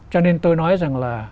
cho nên tôi nói rằng là